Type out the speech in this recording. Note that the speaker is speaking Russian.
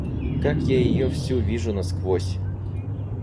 Как я ее всю вижу насквозь!